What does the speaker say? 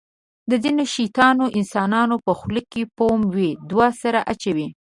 د ځینو شیطان انسانانو په خوله کې فوم وي. دوه سره اچوي.